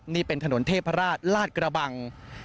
นี่เป็นถนนเทพราชลาดกระบัง